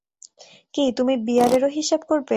কি, তুমি বিয়ারেরও হিসাব করবে?